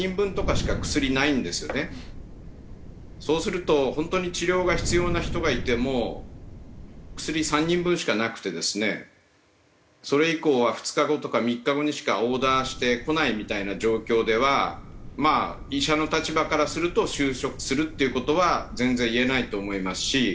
そうすると本当に治療が必要な人がいても薬３人分しかなくてですねそれ以降は２日後とか３日後にしかオーダーして来ないみたいな状況ではまあ医者の立場からすると収束するっていう事は全然言えないと思いますし。